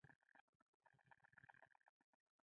ستا د شعرونو حماسو هغه ښاغلی زلمی